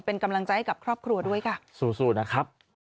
เป็นกำลังใจให้กับครอบครัวด้วยค่ะสู้นะครับ